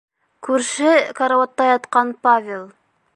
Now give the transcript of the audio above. Күрше карауатта ятҡан Павел: